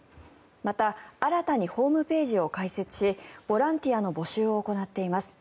また新たにホームページを開設しボランティアの募集を行っています。